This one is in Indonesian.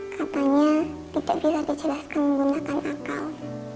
katanya tidak bisa dijelaskan menggunakan akal